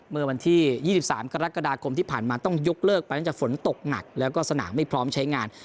เมื่อวันที่ยี่สิบสามกรกฎากรมที่ผ่านมาต้องยกเลิกไปจากฝนตกหนักแล้วก็สนามไม่พร้อมใช้งาน